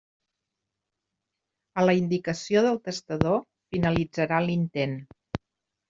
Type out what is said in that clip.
A la indicació del testador finalitzarà l'intent.